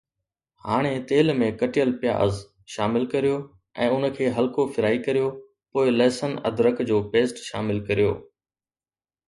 ھاڻي تيل ۾ ڪٽيل پياز شامل ڪريو ۽ ان کي ھلڪو فرائي ڪريو پوءِ لہسن ادرک جو پيسٽ شامل ڪريو